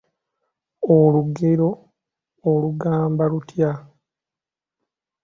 Olugero olugamba lutya?